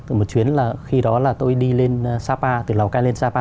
từ một chuyến là khi đó là tôi đi lên sapa từ lào cai lên sapa